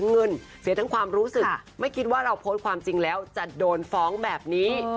เงินเสียทั้งความรู้สึกไม่คิดว่าเราโพสต์ความจริงแล้วจะโดนฟ้องแบบนี้